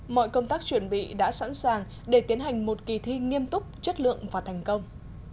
mọi công tác chuẩn bị đã sẵn sàng để tiến hành một kỳ thi nghiêm túc chất lượng và thành công